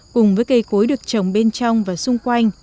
cùng với cây cối được trồng bên trong và xung quanh